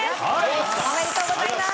おめでとうございます！